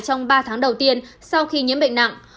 trong ba tháng đầu tiên sau khi nhiễm bệnh nặng